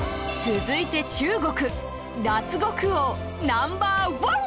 続いて、中国脱獄王ナンバーわん！